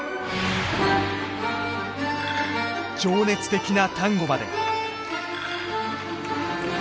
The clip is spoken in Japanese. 情熱的なタンゴまで。